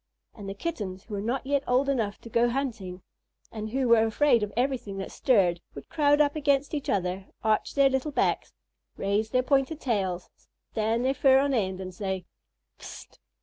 And the Kittens, who were not yet old enough to go hunting, and who were afraid of everything that stirred, would crowd up against each other, arch their little backs, raise their pointed tails, stand their fur on end, and say, "Pst!